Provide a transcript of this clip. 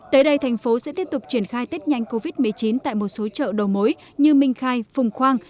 tới đây thành phố sẽ tiếp tục triển khai tết nhanh covid một mươi chín tại một số chợ đầu mối như minh khai phùng khoang